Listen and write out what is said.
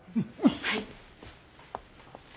はい。